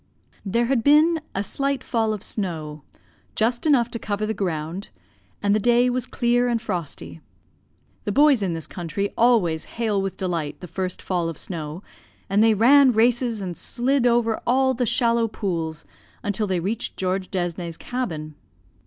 "There had been a slight fall of snow, just enough to cover the ground, and the day was clear and frosty. The boys in this country always hail with delight the first fall of snow, and they ran races and slid over all the shallow pools until they reached George Desne's cabin.